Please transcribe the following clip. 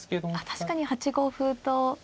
確かに８五歩と。